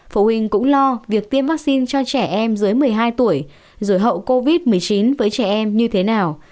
phụ huynh cũng lo việc tiêm vaccine cho trẻ em dưới một mươi hai tuổi rồi hậu covid một mươi chín với trẻ em như thế nào